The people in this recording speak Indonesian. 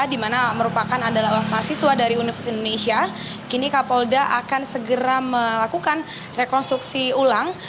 di mana merupakan adalah mahasiswa dari universitas indonesia kini kapolda akan segera melakukan rekonstruksi ulang